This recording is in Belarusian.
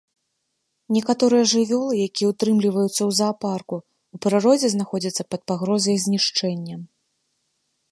Некаторыя жывёлы, якія ўтрымліваюцца ў заапарку, у прыродзе знаходзяцца пад пагрозай знішчэння.